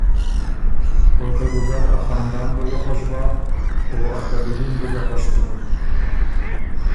او ته دُوګډ ا خاندان بُو ګۀ خوش بۀ او ا قبیلي ن بُو ګه خوش بېن۔